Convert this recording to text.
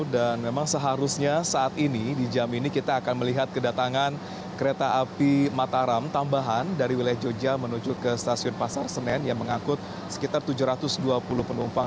dan memang seharusnya saat ini di jam ini kita akan melihat kedatangan kereta api mataram tambahan dari wilayah joja menuju ke stasiun pasar senen yang mengangkut sekitar tujuh ratus dua puluh penumpang